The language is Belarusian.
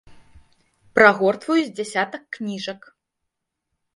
Прагортваю з дзясятак кніжак.